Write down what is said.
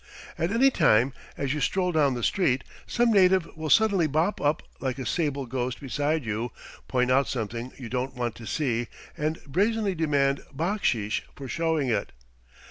At any time, as you stroll down the street, some native will suddenly bob up like a sable ghost beside you, point out something you don't want to see, and brazenly demand backsheesh for showing it.